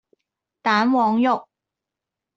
蛋黃肉